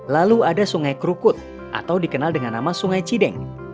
lalu ada sungai krukut atau dikenal dengan nama sungai cideng